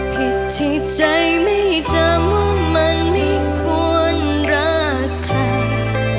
ผิดที่ใจไม่จำว่ามันไม่ควรรักใคร